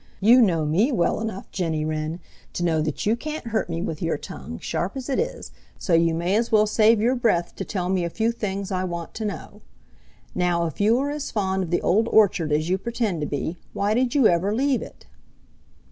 You know me well enough, Jenny Wren, to know that you can't hurt me with your tongue, sharp as it is, so you may as well save your breath to tell me a few things I want to know. Now if you are as fond of the Old Orchard as you pretend to be, why did you ever leave it?"